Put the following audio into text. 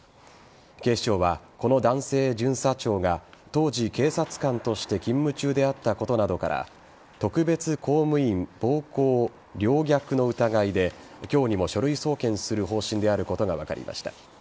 警視庁はこの男性巡査長が当時、警察官として勤務中であったことなどから特別公務員暴行陵虐の疑いで今日にも書類送検する方針であることが分かりました。